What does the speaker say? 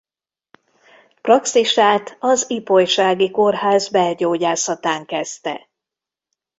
Praxisát az ipolysági kórház belgyógyászatán kezdte.